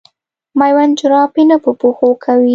مېوند جراپي نه په پښو کوي.